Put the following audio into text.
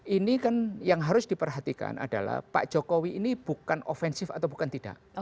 ini kan yang harus diperhatikan adalah pak jokowi ini bukan ofensif atau bukan tidak